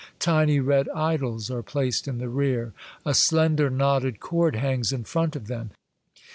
Tiny red idols are placed in the rear. A slender knotted cord hangs in front of them.